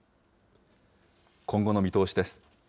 今後の見通しです。